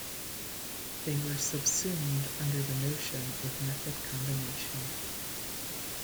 They were subsumed under the notion of method combination.